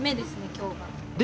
今日がで